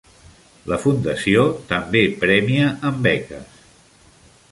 La fundació també premia amb beques.